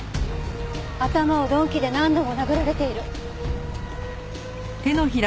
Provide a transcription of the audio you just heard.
頭を鈍器で何度も殴られている。